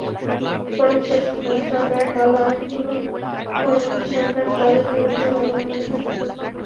বরং সেই সরকারের কালো আইনগুলো পরবর্তী সরকার তাদের বিরুদ্ধে ব্যবহার করে থাকে।